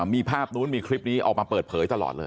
มีภาพนู้นมีคลิปนี้ออกมาเปิดเผยตลอดเลย